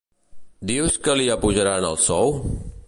Dius que li apujaran el sou?